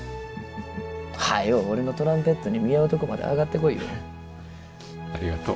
早う俺のトランペットに見合うとこまで上がってこいよ。